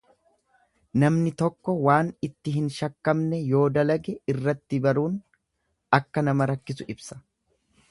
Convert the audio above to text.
Namni tokko wanta itti hin shakkamne yoo dalage irratti baruun akka nama rakkisu ibsa.